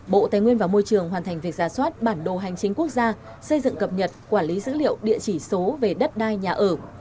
bộ tài nguyên và môi trường hoàn thành việc giả soát bản đồ hành chính quốc gia xây dựng cập nhật quản lý dữ liệu địa chỉ số về đất đai nhà ở